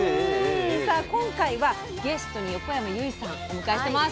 今回はゲストに横山由依さんお迎えしてます。